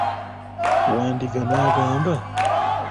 Wandiga n'agamba.